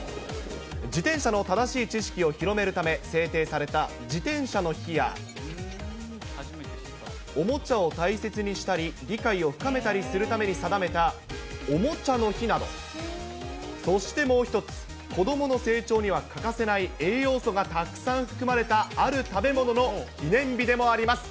自転車の正しい知識を広めるため、制定された自転車の日や、おもちゃを大切にしたり、理解を深めたりするために定めた、おもちゃの日など、そしてもう一つ、子どもの成長には欠かせない、栄養素がたくさん含まれたある食べ物の記念日でもあります。